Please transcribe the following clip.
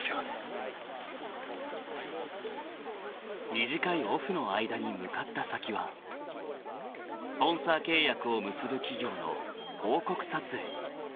［短いオフの間に向かった先はスポンサー契約を結ぶ企業の広告撮影］